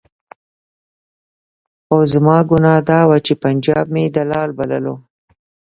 خو زما ګناه دا وه چې پنجاب مې دلال بللو.